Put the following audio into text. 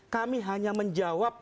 kami hanya menjawab